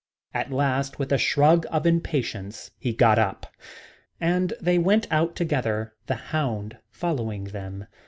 At last with a shrug of impatience he got up and they went out together, the hound following them.